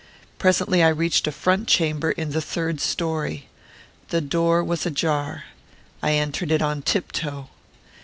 Presently I reached a front chamber in the third story. The door was ajar. I entered it on tiptoe.